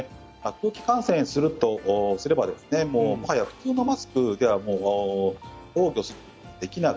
空気感染するとすればもはや普通のマスクではもう防御できない。